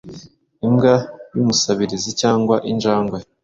Imbwa y'Umusabirizi cyangwa Injangwe,